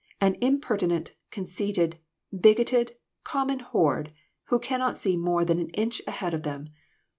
An impertinent, conceited, bigoted, com mon horde, who cannot see more than an inch ahead of them